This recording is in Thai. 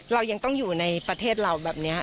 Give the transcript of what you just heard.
เรายังต้องอยู่ในประเทศเราแบบนี้